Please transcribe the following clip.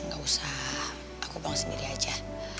gak usah aku bawa sendiri aja